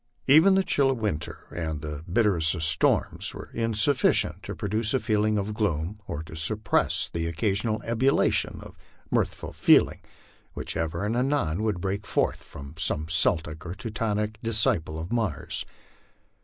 Even the chill of winter and the bitterest of storms were insufficient to produce a feeling of gloom, or to suppress the oc casional ebullition of mirthful feeling which ever and anon would break forth from some Celtic or Teutonic disciple of Mars.